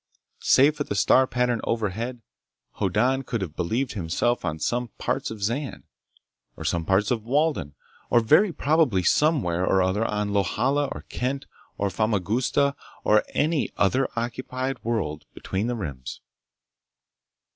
Save for the star pattern overhead, Hoddan could have believed himself on some parts of Zan, or some parts of Walden, or very probably somewhere or other on Lohala or Kent or Famagusta or any other occupied world between the Rims.